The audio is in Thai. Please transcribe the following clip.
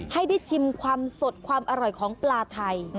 ให้ได้ชิมความสดความอร่อยของปลาไทย